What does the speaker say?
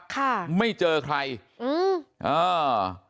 ค่ะไม่เจอใครอืมอ่า